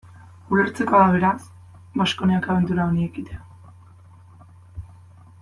Ulertzekoa da, beraz, Baskoniak abentura honi ekitea.